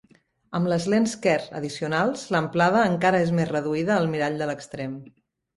Amb les lents Kerr addicionals, l'amplada encara és més reduïda al mirall de l'extrem.